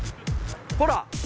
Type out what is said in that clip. ほら！